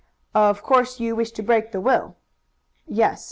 "Of course you wish to break the will?" "Yes.